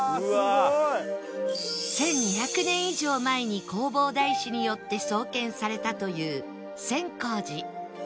１２００年以上前に弘法大師によって創建されたという千光寺